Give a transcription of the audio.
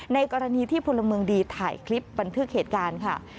ในกรณีที่พลเมืองดีถ่ายคลิปบันทึกเหตุการณ์ค่ะ